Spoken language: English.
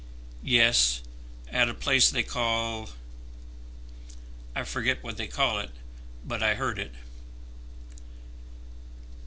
"Yes, at a place they call I forget what they call it, but I heard it."